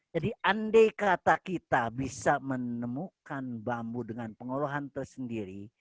jadi andai kata kita bisa menemukan bambu dengan pengolahan tersendiri